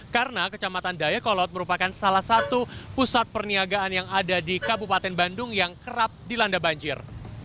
karena kecamatan dayakolot merupakan salah satu pusat perniagaan yang ada di kabupaten bandung yang kerap dilanda banjir